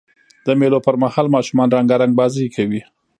د مېلو پر مهال ماشومان رنګارنګ بازۍ کوي.